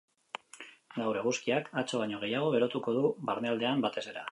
Gaur eguzkiak atzo baino gehiago berotuko du, barnealdean batez ere.